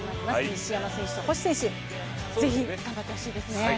西山選手と星選手、ぜひ頑張ってほしいですね。